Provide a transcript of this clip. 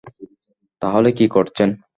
তাহলে কী করছেন?